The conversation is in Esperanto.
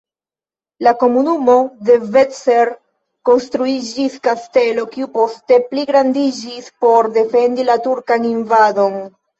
En komunumo Devecser konstruiĝis kasteleto, kiu poste pligrandiĝis por defendi la turkan invadon.